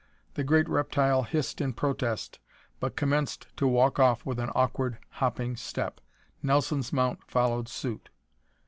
The great reptile hissed in protest, but commenced to walk off with an awkward, hopping step. Nelson's mount followed suit.